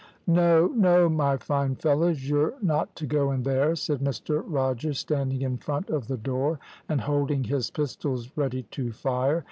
"`No! no! my fine fellows, you're not to go in there,' said Mr Rogers, standing in front of the door, and holding his pistols ready to fire.